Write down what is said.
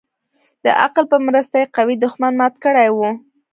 د عقل په مرسته يې قوي دښمن مات كړى و.